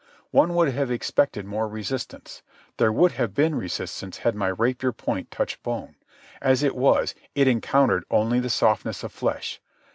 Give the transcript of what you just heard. One would have expected more resistance. There would have been resistance had my rapier point touched bone. As it was, it encountered only the softness of flesh.